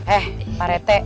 eh pak rt